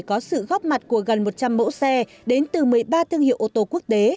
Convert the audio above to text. có sự góp mặt của gần một trăm linh mẫu xe đến từ một mươi ba thương hiệu ô tô quốc tế